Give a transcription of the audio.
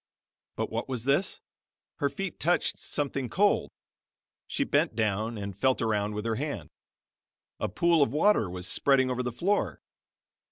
But what was this? Her feet touched something cold! She bent down and felt around with her hand. A pool of water was spreading over the floor.